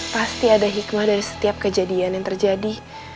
pasti ada hikmah dari setiap kejadian yang terjadi